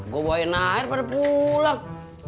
gue bawain air pada pulang